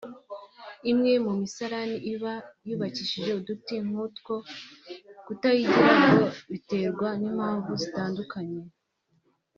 Imwe mu misarane iba yubakishije uduti nk’uwto Kutayigira ngo biterwa n’impamvu zitandukanye